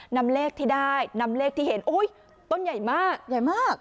นำเลขที่ได้นำเลขที่เห็นต้นใหญ่มากใหญ่มาก